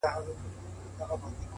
خپل هدفونه لوړ وساتئ؛